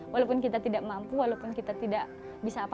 walaupun kita tidak mampu walaupun kita tidak bisa apa apa